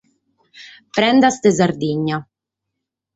Prendas de Sardigna.